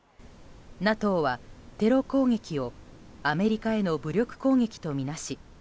ＮＡＴＯはテロ攻撃をアメリカへの武力攻撃とみなし